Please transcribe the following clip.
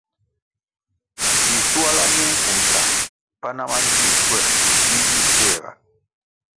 Bischuala minkumsa pana ma ntiwuh schuer bi zih séhga.